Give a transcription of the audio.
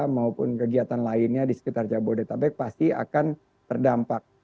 maupun kegiatan lainnya di sekitar jabodetabek pasti akan terdampak